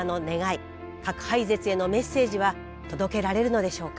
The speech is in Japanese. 核廃絶へのメッセージは届けられるのでしょうか。